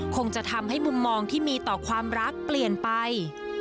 คงจะทำให้มุมมองที่มีต่อความรักเปลี่ยนไป